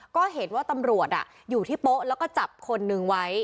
ก็เห็นว่าตำรวจอยู่ที่โป๊ะแล้วก็จับคนนึงไว้